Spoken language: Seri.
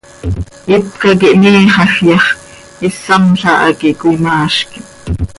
Ipca quih miixaj yax, issamla ha quih cöimaazquim.